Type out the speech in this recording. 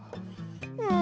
うん。